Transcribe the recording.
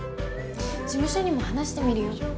事務所にも話してみるよ。